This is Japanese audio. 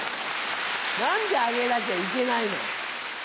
何であげなきゃいけないの。